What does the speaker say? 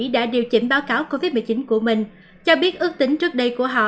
đã điều chỉnh báo cáo covid một mươi chín của mình cho biết ước tính trước đây của họ